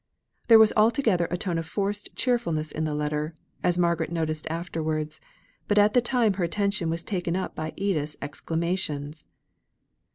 There was altogether a tone of forced cheerfulness in the letter, as Margaret noticed afterwards; but at the time her attention was taken up by Edith's exclamations.